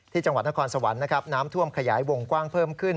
จังหวัดนครสวรรค์นะครับน้ำท่วมขยายวงกว้างเพิ่มขึ้น